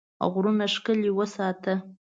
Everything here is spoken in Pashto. غرونه ښکلي وساته.